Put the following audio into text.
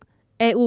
evfta có hiệu lực